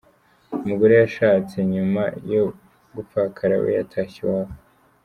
Umugore yashatse nyuma yo gupfakara we yatashye iwabo.